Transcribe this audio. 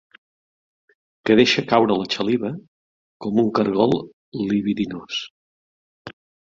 Que deixa caure la saliva com un cargol libidinós.